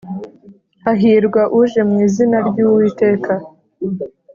hahirwa uje mu izina ry’Uwiteka